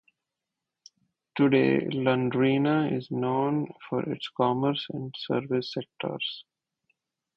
Today, Londrina is also known for its commerce and service sectors.